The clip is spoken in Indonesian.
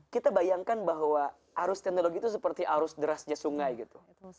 kita bayangkan bahwa arus teknologi itu seperti arus derasnya sungai gitu